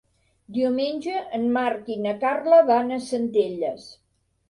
Diumenge en Marc i na Carla van a Centelles.